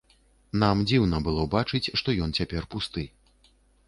Нам дзіўна было бачыць, што ён цяпер пусты.